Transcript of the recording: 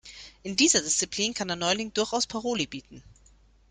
In dieser Disziplin kann der Neuling durchaus Paroli bieten.